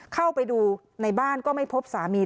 เข้าไปดูในบ้านก็ไม่พบสามี